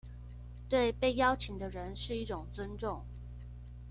對被邀請的人是一種尊重